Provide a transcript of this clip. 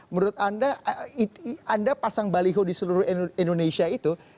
menurut anda anda pasang baliho di seluruh indonesia itu